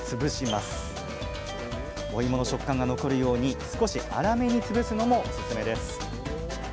おいもの食感が残るように少し粗めに潰すのもおすすめです！